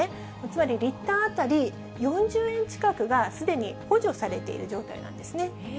つまり、リッター当たり４０円近くがすでに補助されている状態なんですね。